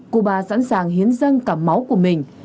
cuba sẵn sàng hiến dâng cả máu của mình